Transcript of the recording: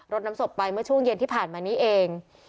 รถน้ำศพไปเมื่อช่วงเย็นที่ผ่านมานี้เอง